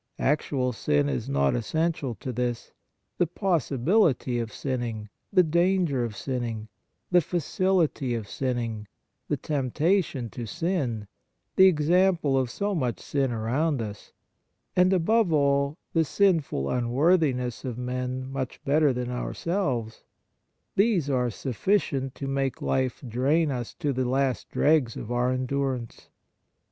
Actual sin is not essential to this. The possibility of sinning, the danger of sinning, the facility of sinning, the temptation to sin, the example of so much sin around us, and, above all, the sinful unworthiness of men much better than ourselves — these are sufficient to make life drain us to the last dregs of our endurance.